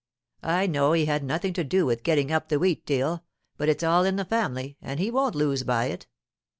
I know he had nothing to do with getting up the wheat deal; but it's all in the family, and he won't lose by it.